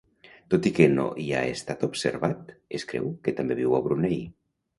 Tot i que no hi ha estat observat, es creu que també viu a Brunei.